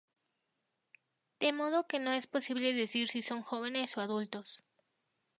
De modo que no es posible decir si son jóvenes o adultos.